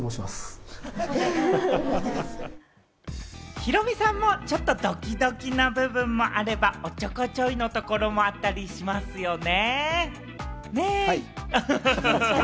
ヒロミさんもちょっとドキドキな部分もあれば、おっちょこちょいなところもあったりしますよね？